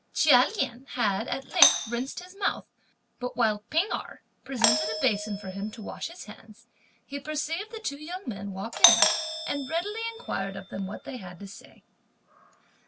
Chia Lien had, at length, rinsed his mouth; but while P'ing Erh presented a basin for him to wash his hands, he perceived the two young men walk in, and readily inquired of them what they had to say.